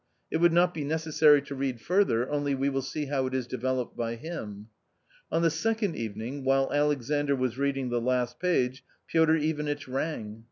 It would not be neces sary to read further, only we will see how it is developed by him." On the second evening, while Alexandr was reading the last page, Piotr Ivanitch rang.